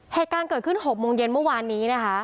เหตุการณ์เกิดขึ้น๖โมงเย็นเมื่อวานนี้นะคะ